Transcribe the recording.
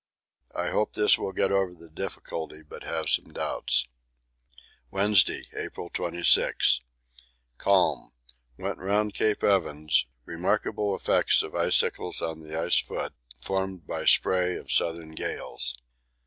I hope this will get over the difficulty, but have some doubt. Wednesday, April 26. Calm. Went round Cape Evans remarkable effects of icicles on the ice foot, formed by spray of southerly gales.